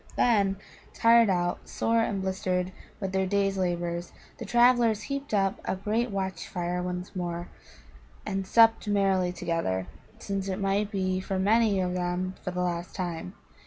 Then, tired out, sore and blistered with their day's labours, the travellers heaped up a great watch fire once more, and supped merrily together, since it might be for many of them for the last time.